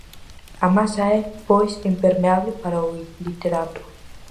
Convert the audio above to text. A masa é, pois, impermeable para o literato.